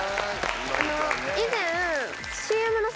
以前。